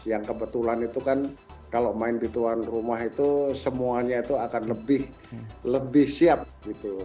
yang kebetulan itu kan kalau main di tuan rumah itu semuanya itu akan lebih siap gitu